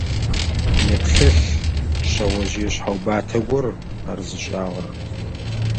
Еплъэлъ, шъэожъые шъхьэубатэ гор ар зиӏэшӏагъэр.